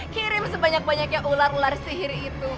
kirim sebanyak banyaknya ular ular sihir itu